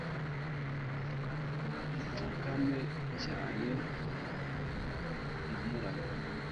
mpfukame cyane namuramye